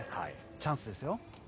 チャンスですよ。